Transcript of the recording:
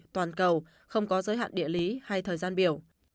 toàn cầu không có giới hạn địa lý hay thời gian biểu